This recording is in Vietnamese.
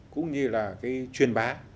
cũng như là cái truyền bá